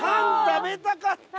食べたかった！